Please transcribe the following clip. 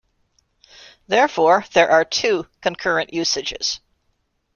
Therefore, there are two concurrent usages.